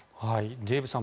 デーブさん